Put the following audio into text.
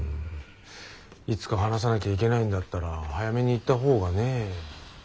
いつか話さなきゃいけないんだったら早めに言ったほうがねえ。